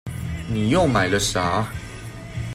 你又買了啥？